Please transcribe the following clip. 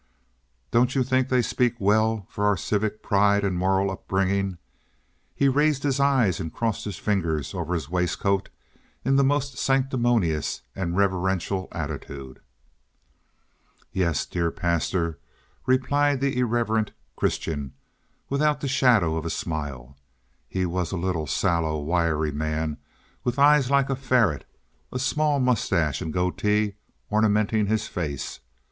"Don't you think they speak well for our civic pride and moral upbringing?" He raised his eyes and crossed his fingers over his waistcoat in the most sanctimonious and reverential attitude. "Yes, dear Pastor," replied the irreverent Christian, without the shadow of a smile. He was a little sallow, wiry man with eyes like a ferret, a small mustache and goatee ornamenting his face.